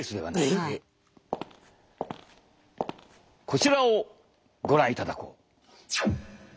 こちらをご覧いただこう。